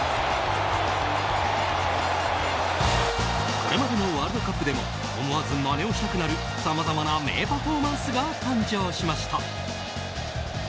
これまでのワールドカップでも思わずまねをしたくなるさまざまな名パフォーマンスが誕生しました。